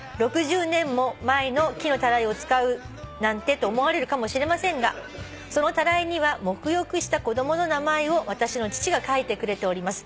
「６０年も前の木のタライを使うなんてと思われるかもしれませんがそのタライには沐浴した子供の名前を私の父が書いてくれております」